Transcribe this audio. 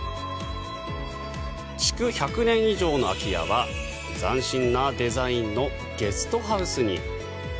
築１００年以上の空き家は斬新なデザインのゲストハウスに。